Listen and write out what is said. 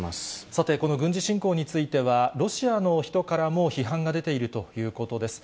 さて、この軍事侵攻については、ロシアの人からも批判が出ているということです。